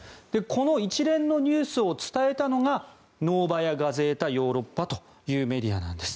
この一連のニュースを伝えたのがノーバヤ・ガゼータ・ヨーロッパというメディアなんです。